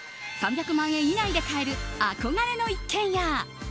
３００万円以内で買える憧れの一軒家。